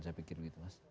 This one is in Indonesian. saya pikir begitu mas